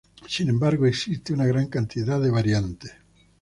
Sin embargo, existe una gran cantidad de variantes.